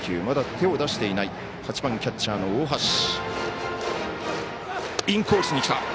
まだ手を出していない８番キャッチャーの大橋。